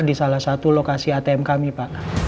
di salah satu lokasi atm kami pak